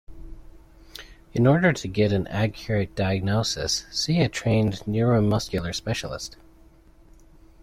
In order to get an accurate diagnosis see a trained neuromuscular specialist.